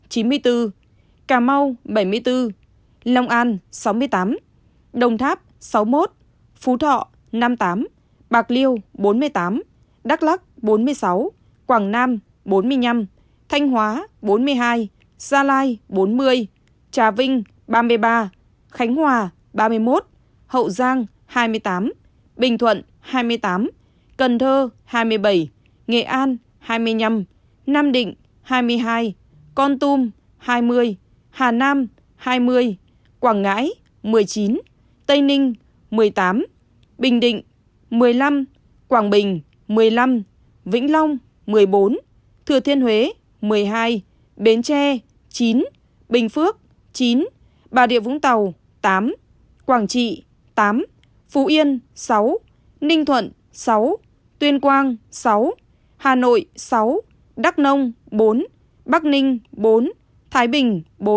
hà nam hai mươi quảng ngãi một mươi chín tây ninh một mươi tám bình định một mươi năm quảng bình một mươi năm vĩnh long một mươi bốn thừa thiên huế một mươi hai bến tre chín bình phước chín bà địa vũng tàu tám quảng trị tám phú yên sáu ninh thuận sáu tuyên quang sáu hà nội sáu đắk nông bốn bắc ninh bốn thái bình bốn